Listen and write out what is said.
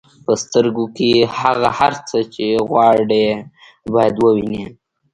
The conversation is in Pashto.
په سترګو کې هغه هر څه چې غواړئ باید ووینئ.